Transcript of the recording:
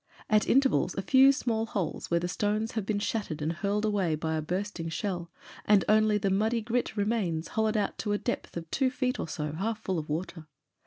At intervals, a few small holes, where the stones have been shattered and hurled away by a bursting shell and only the muddy grit remains hollowed out to a depth of two feet or so, half full of water.